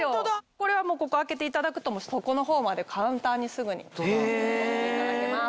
これはここ開けていただくと底のほうまで簡単にすぐに取っていただけます。